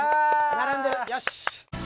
並んでるよし。